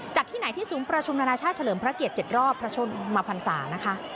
ที่ไหนที่ศูนย์ประชุมนานาชาติเฉลิมพระเกียรติ๗รอบพระชนมพันศานะคะ